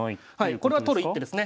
これは取る一手ですね。